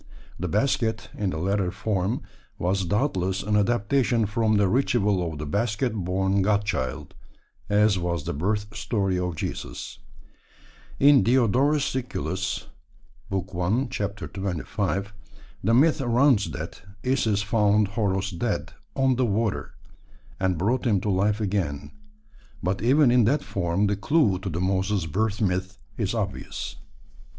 The basket, in the latter form, was doubtless an adaptation from the ritual of the basket born God Child, as was the birth story of Jesus. In Diodorus Siculus (i. 25) the myth runs that Isis found Horos dead "on the water," and brought him to life again; but even in that form the clue to the Moses birth myth is obvious.